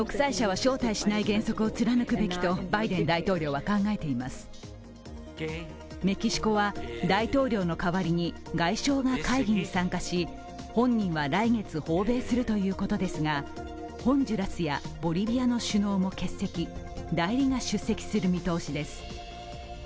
アメリカの説明はメキシコは大統領の代わりに外相が会議に参加し本人は来月訪米するということですが、ホンジュラスやボリビアの首脳も欠席代理が出席する見通しです。